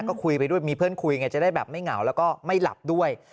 ก็คุยไปด้วยมีเพื่อนคุยไงจะได้แบบไม่เหงาแล้วก็ไม่หลับด้วย